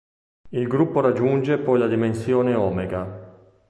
Il gruppo raggiunge poi la dimensione Omega.